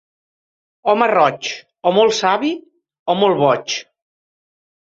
Home roig, o molt savi o molt boig.